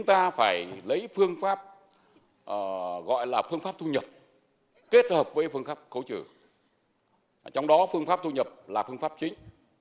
trong đó phương pháp thu nhập là phương pháp chính